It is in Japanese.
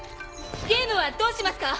ゲームはどうしますか？